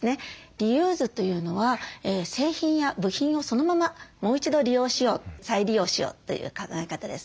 リユーズというのは製品や部品をそのままもう一度利用しよう再利用しようという考え方です。